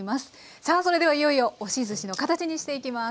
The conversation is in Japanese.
さあそれではいよいよ押しずしの形にしていきます。